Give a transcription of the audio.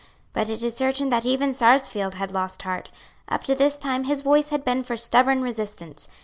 But it is certain that even Sarsfield had lost heart. Up to this time his voice had been for stubborn resistance.